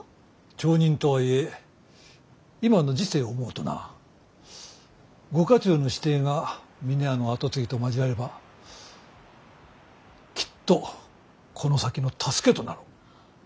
町人とはいえ今の時勢を思うとなご家中の子弟が峰屋の跡継ぎと交わればきっとこの先の助けとなろう。